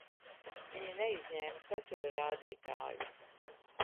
Viņi neizņēma satura rādītāju.